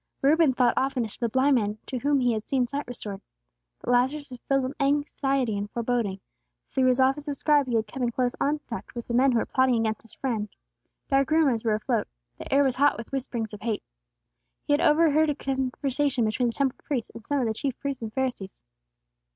_" Reuben thought oftenest of the blind man to whom he had seen sight restored. But Lazarus was filled with anxiety and foreboding; through his office of scribe, he had come in close contact with the men who were plotting against his friend. Dark rumors were afloat. The air was hot with whisperings of hate. He had overheard a conversation between the Temple police, and some of the chief priests and Pharisees.